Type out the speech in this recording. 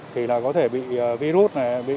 thì là có thể bị virus